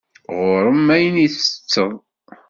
Ɣur-m ayen i ttetteḍ.